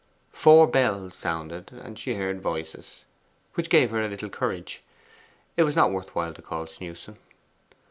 'Four bells' sounded, and she heard voices, which gave her a little courage. It was not worth while to call Snewson.